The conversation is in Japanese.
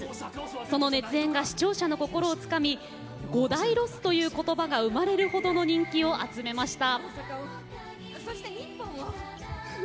その熱演が視聴者の心をつかみ五代ロスという言葉が生まれる程の人気を集めました。